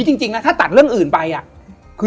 และยินดีต้อนรับทุกท่านเข้าสู่เดือนพฤษภาคมครับ